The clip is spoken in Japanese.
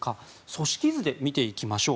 組織図で見ていきましょう。